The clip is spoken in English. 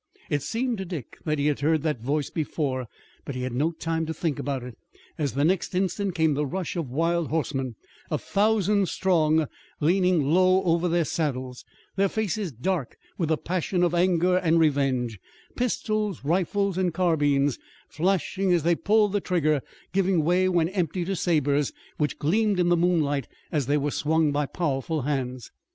It seemed to Dick that he had heard that voice before, but he had no time to think about it, as the next instant came the rush of the wild horsemen, a thousand strong, leaning low over their saddles, their faces dark with the passion of anger and revenge, pistols, rifles, and carbines flashing as they pulled the trigger, giving way when empty to sabres, which gleamed in the moonlight as they were swung by powerful hands.